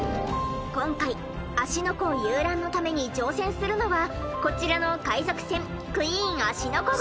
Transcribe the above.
今回芦ノ湖遊覧のために乗船するのはこちらの海賊船クイーン芦ノ湖号。